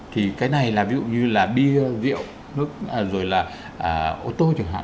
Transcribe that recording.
thì cái này là ví dụ như là bia rượu nước rồi là ô tô chẳng hạn